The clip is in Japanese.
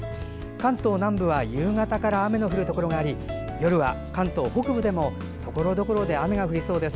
関東南部は夕方から雨の降るところがあり夜は関東北部でもところどころで雨が降りそうです。